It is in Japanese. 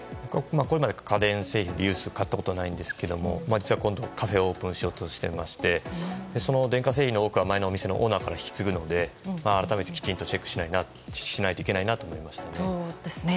こういうのは家電製品リユース買ったことはないんですけお実は今度、カフェをオープンしようとしていまして電化製品の多くは前の店のオーナーから引き継ぐので改めてチェックしないといけないなと思いました。